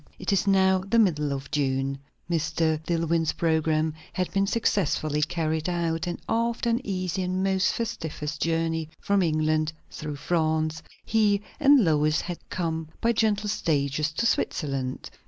It is now the middle of June. Mr. Dillwyn's programme had been successfully carried out; and, after an easy and most festive journey from England, through France, he and Lois had come by gentle stages to Switzerland.